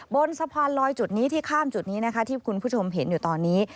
บนสะพานลอยจุดนี้ที่ข้ามจุดนี้นะคะที่คุณผู้ชมเห็นอยู่ตอนนี้